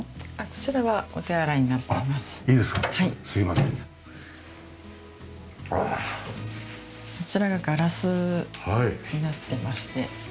こちらがガラスになっていまして。